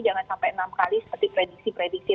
jangan sampai enam kali seperti prediksi prediksi